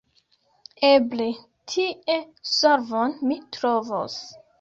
Eble tie solvon mi trovos